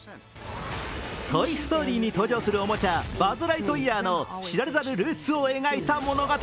「トイ・ストーリー」に登場するおもちゃ、バズ・ライトイヤーの知られざるルーツを描いた物語。